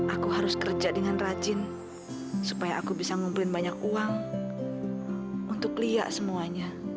aku harus kerja dengan rajin supaya aku bisa ngumpulin banyak uang untuk lia semuanya